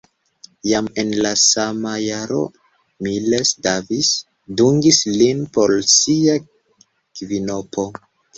Jam en la sama jaro Miles Davis dungis lin por sia kvinopo.